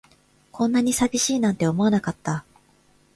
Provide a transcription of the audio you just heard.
こんなに寂しいなんて思わなかった